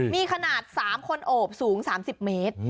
มีขนาด๓คนโอบสูง๓๐เมตร